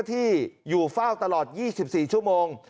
ที่อยู่เฝ้าตลอด๒๔ชั่วโมง